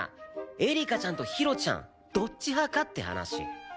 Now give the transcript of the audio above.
エリカちゃんとひろちゃんどっち派かって話！